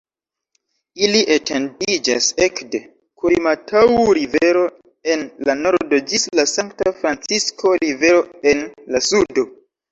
Ili etendiĝas ekde Kurimataŭ-Rivero en la nordo ĝis la Sankta-Francisko-Rivero en la sudo.